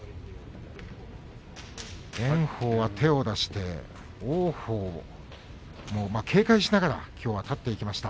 炎鵬は手を出して王鵬を警戒しながら立っていきました。